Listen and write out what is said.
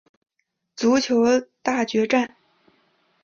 足球大决战！